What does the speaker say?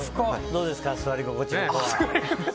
どうですか？